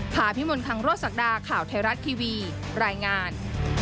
ผ่าพิมพ์มนตร์คังโรสสักดาข่าวไทยรัฐทีวีรายงาน